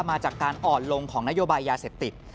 มาจากการอ่อนลงของนโยบายยาเสพติด